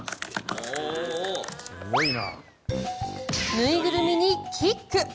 縫いぐるみにキック。